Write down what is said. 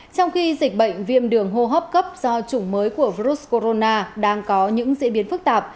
trong khi dịch bệnh viêm đường hô hấp cấp do chủng mới của virus corona đang có những diễn biến phức tạp